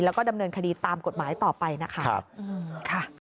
แล้วก็ดำเนินคดีตามกฎหมายต่อไปนะคะ